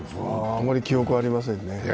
あまり記憶にありませんね。